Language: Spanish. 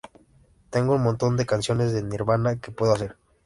Tengo un montón de canciones de Nirvana que puedo hacer.